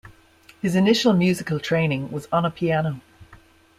His initial musical training was on a piano.